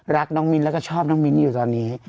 รักน้องมิ้นแล้วก็ชอบน้องมิ้นอยู่ตอนนี้